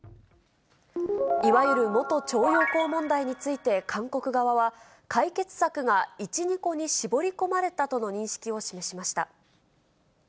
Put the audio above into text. いわゆる元徴用工問題について、韓国側は、解決策が１、２個に絞り込まれたとの認識を示しました。